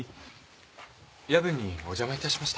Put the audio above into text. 夜分にお邪魔いたしました。